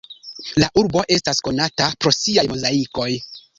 La urbo estas konata pro siaj mozaikoj.